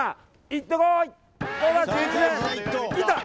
いってこい！